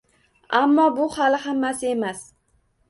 Ammo bu hali hammasi emas